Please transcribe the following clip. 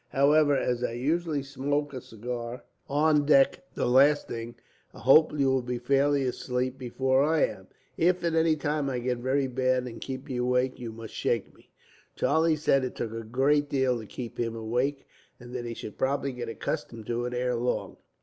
However, as I usually smoke a cigar on deck, the last thing, I hope you will be fairly asleep before I am. If at any time I get very bad, and keep you awake, you must shake me." Charlie said it took a good deal to keep him awake, and that he should probably get accustomed to it, ere long.